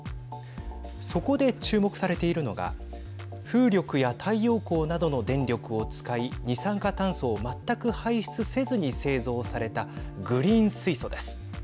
そこで注目されているのが風力や太陽光などの電力を使い二酸化炭素を全く排出せずに製造されたグリーン水素です。